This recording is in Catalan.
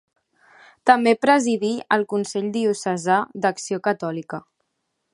També presidí el Consell Diocesà d'Acció Catòlica.